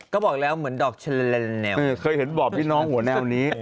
ก็บอกแล้วเหมือนดอกเลนแนวเคยเห็นบอกพี่น้องหัวแนวนี้